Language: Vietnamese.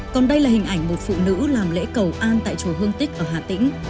còn đây là hình ảnh một phụ nữ làm lễ cầu an tại chùa hương tích ở hà tĩnh